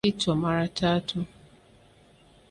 Aliitwa mara tatu